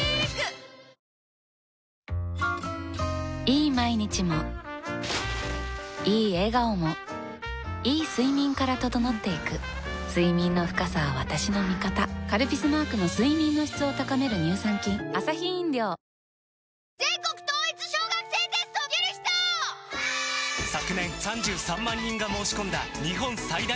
いい毎日もいい笑顔もいい睡眠から整っていく睡眠の深さは私の味方「カルピス」マークの睡眠の質を高める乳酸菌４年ぶりにほぼ通常開催となった三社祭。